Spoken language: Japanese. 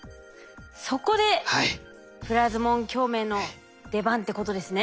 そこでプラズモン共鳴の出番ってことですね。